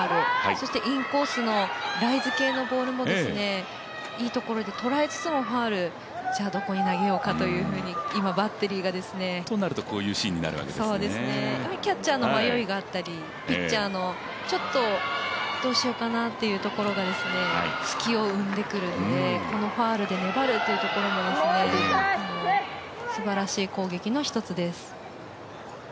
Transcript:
そして、インコースのライズ系のボールもいいところで捉えつつもファウルで、じゃあどこに投げようかということに今、バッテリーがですね、キャッチャーの迷いがあったりピッチャーのちょっとどうしようかなというところが隙を生んでくるのでこのファウルで粘るというところもすばらしい攻撃の一つです。